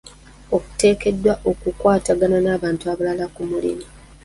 Oteekeddwa okukwatagana n'abantu abalala ku mulimu.